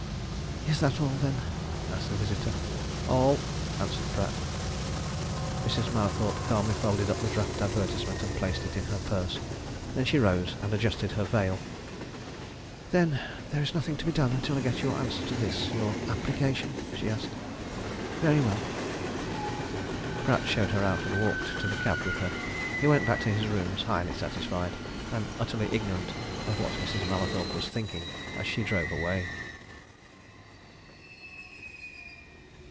"Is that all, then?" asked the visitor. "All!" answered Pratt. Mrs. Mallathorpe calmly folded up the draft advertisement and placed it in her purse. Then she rose and adjusted her veil. "Then there is nothing to be done until I get your answer to this your application?" she asked. "Very well." Pratt showed her out, and walked to the cab with her. He went back to his rooms highly satisfied and utterly ignorant of what Mrs. Mallathorpe was thinking as she drove away.